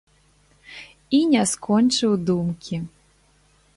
І не скончыў думкі.